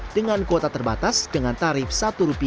dengan kuota terbatas dengan tarif rp satu